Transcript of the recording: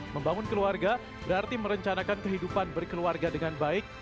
membangun keluarga berarti merencanakan kehidupan berkeluarga dengan baik